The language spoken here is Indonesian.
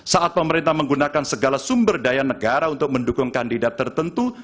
saat pemerintah menggunakan segala sumber daya negara untuk mendukung kandidat tertentu